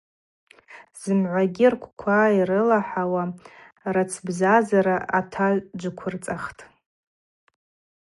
Зымгӏвагьи ргвква йрылахӏауа, рацбзазара атаджвыквырцӏахтӏ.